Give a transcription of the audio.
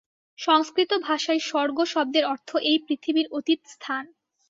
সংস্কৃত ভাষায় স্বর্গ-শব্দের অর্থ এই পৃথিবীর অতীত স্থান।